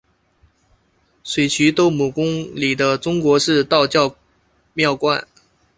水碓斗母宫里的中国式道教庙观。